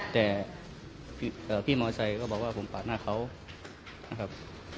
แต่เอ่อพี่เอ่อพี่มอเตอร์ไซค์ก็บอกว่าผมปาดหน้าเขานะครับ